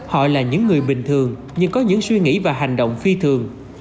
họ là những người bình thường nhưng có những suy nghĩ và hành động phi thường